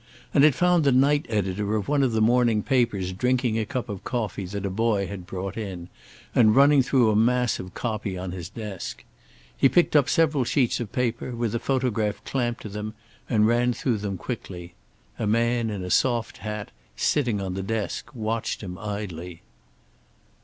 And it found the night editor of one of the morning papers drinking a cup of coffee that a boy had brought in, and running through a mass of copy on his desk. He picked up several sheets of paper, with a photograph clamped to them, and ran through them quickly. A man in a soft hat, sitting on the desk, watched him idly.